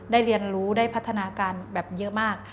เรียนรู้ได้พัฒนาการแบบเยอะมาก